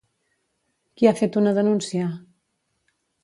Qui ha fet una denúncia?